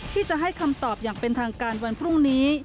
ที่จะให้คำตอบอย่างเป็นทางการวันพรุ่งนี้